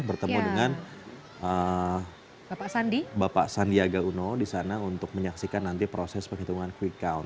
bertemu dengan bapak sandiaga uno disana untuk menyaksikan nanti proses penhitungan quick count